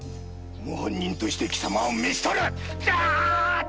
謀反人として貴様を召し捕る。